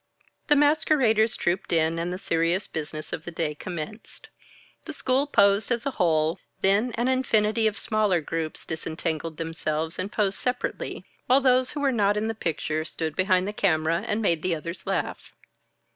The masqueraders trooped in and the serious business of the day commenced. The school posed as a whole, then an infinity of smaller groups disentangled themselves and posed separately, while those who were not in the picture stood behind the camera and made the others laugh.